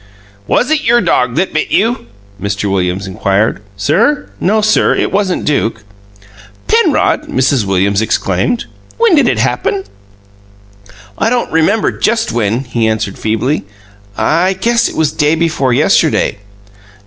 "Was it your own dog that bit you?" Mr. Williams inquired. "Sir? No, sir. It wasn't Duke." "Penrod!" Mrs. Williams exclaimed. "When did it happen?" "I don't remember just when," he answered feebly. "I guess it was day before yesterday."